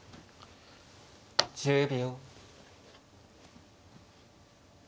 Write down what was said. １０秒。